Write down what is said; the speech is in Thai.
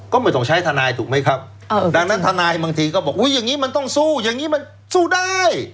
ก็ไม่ต้องใช้ทนายถูกไหมครับดังนั้นทนายบางทีก็บอกอุ้ยอย่างนี้มันต้องสู้อย่างนี้มันสู้ได้